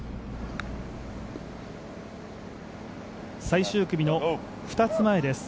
最終組の２つ前です。